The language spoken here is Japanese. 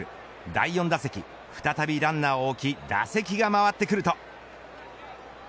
第４打席、再びランナーを置き再び打席が回ってくると。